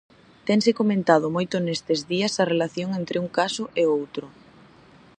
Tense comentado moito nestes días a relación entre un caso e outro.